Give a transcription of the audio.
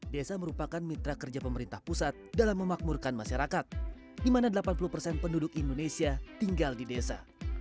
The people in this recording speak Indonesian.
desa merupakan mitra kerja pemerintah pusat dalam memakmurkan masyarakat di mana delapan puluh persen penduduk indonesia tinggal di desa